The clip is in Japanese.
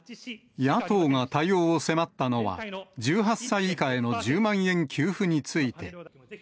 野党が対応を迫ったのは、１８歳以下への１０万円給付について。